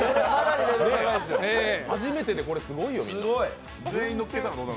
初めてでこれ、すごいよね。